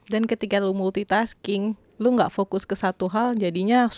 dan ketika lo multitasking lo gak fokus ke satu hal jadinya so so aja gitu